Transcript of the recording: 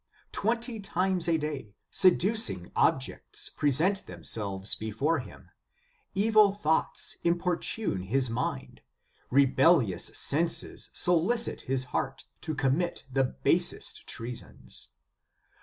Twenty times a day, seducing objects present themselves before him, evil thoughts importune his mind, rebellious senses solicit his heart to commit the basest treasons.